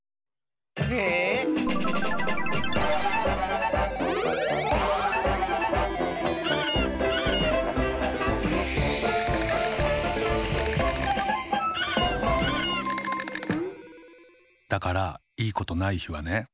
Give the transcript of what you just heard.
ええ⁉だからいいことないひはね。